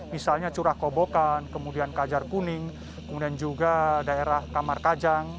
misalnya curah kobokan kemudian kajar kuning kemudian juga daerah kamar kajang